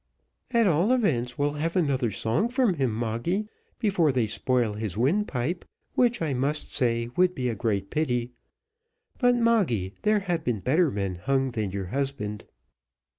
"At all events, we'll have another song from him, Moggy, before they spoil his windpipe, which, I must say, would be a great pity; but Moggy, there have been better men hung than your husband."